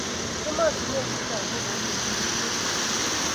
ematunwek chechang ko koicher tuguk chechang